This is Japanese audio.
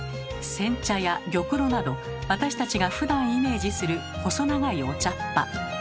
煎茶や玉露など私たちがふだんイメージする細長いお茶っ葉。